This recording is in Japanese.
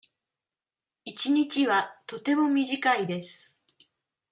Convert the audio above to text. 一日はとても短いです。